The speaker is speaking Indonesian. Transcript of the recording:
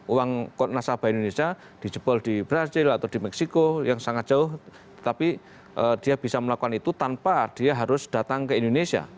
uang nasabah indonesia dijebol di brazil atau di meksiko yang sangat jauh tapi dia bisa melakukan itu tanpa dia harus datang ke indonesia